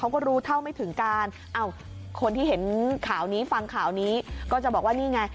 เขาก็รู้เท่าไม่ถึงการอ้าวคนที่เห็นข่าวนี้ฟังข่าวนี้ก็จะบอกว่านี่ไง